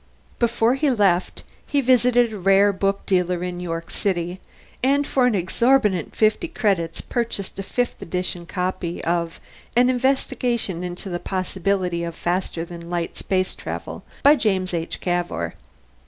Before he left, he visited a rare book dealer in York City, and for an exorbitant fifty credits purchased a fifth edition copy of An Investigation into the Possibility of Faster than Light Space Travel, by James H. Cavour.